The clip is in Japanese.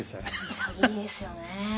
潔いですよね。